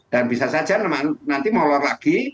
dan bisa saja nanti molor lagi